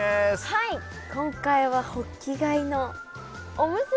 はい今回はホッキ貝のおむすび。